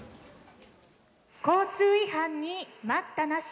交通違反に待ったなし！